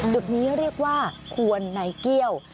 จุดนี้เรียกว่าควนในเกี้ยว